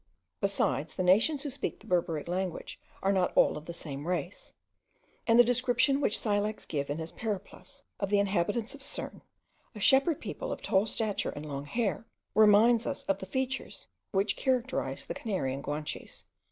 Besides the nations who speak the Berberic language are not all of the same race; and the description which Scylax gives, in his Periplus, of the inhabitants of Cerne, a shepherd people of tall stature and long hair, reminds us of the features which characterize the Canarian Guanches.)